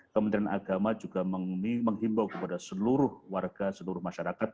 kementerian agama juga menghimbau kepada seluruh warga seluruh masyarakat